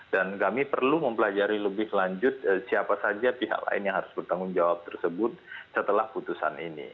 dan kami perlu mempelajari lebih lanjut siapa saja pihak lain yang harus bertanggung jawab tersebut setelah putusan ini